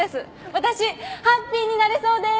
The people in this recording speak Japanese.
私ハッピーになれそうでーす！